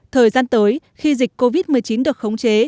thời gian tới khi dịch covid một mươi chín được khống chế